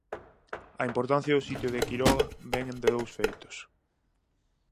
A importancia do sitio de Quiroga vén de dous feitos.